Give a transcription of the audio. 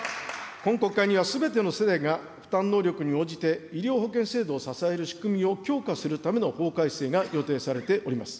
今国会にはすべての世代が負担能力に応じて医療保険制度を支える仕組みを強化するための法改正が予定されております。